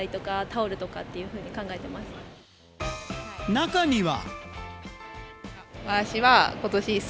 中には。